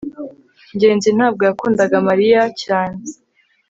ngenzi ntabwo yakundaga mariya cyane